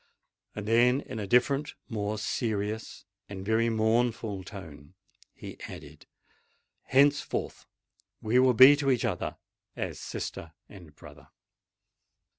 Then, in a different—more serious—and very mournful tone, he added, "Henceforth we will be to each other as sister and brother."